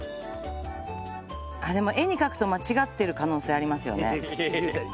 あでも絵に描くと間違ってる可能性ありますよね。